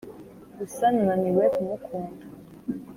Gusa nananiwe kumukunda